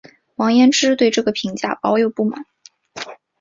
王延之对这个评价抱有不满。